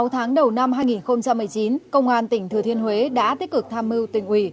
sáu tháng đầu năm hai nghìn một mươi chín công an tỉnh thừa thiên huế đã tích cực tham mưu tỉnh ủy